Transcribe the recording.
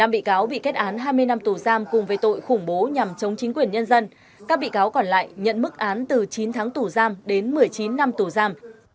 năm bị cáo bị kết án hai mươi năm tù giam cùng với tội khủng bố nhằm chống chính quyền nhân dân các bị cáo còn lại nhận mức án từ chín tháng tù giam đến một mươi chín năm tù giam